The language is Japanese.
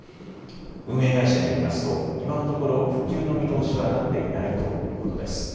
運営会社によりますと今のところ復旧の見通しは立っていないということです。